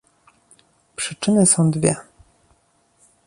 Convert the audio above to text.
Przyczyny są dwie